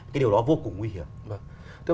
cái điều đó vô cùng nguy hiểm